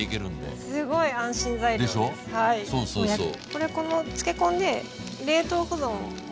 これこの漬け込んで冷凍保存も？